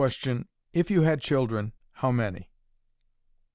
Question. IF YOU HAVE HAD CHILDREN, HOW MANY?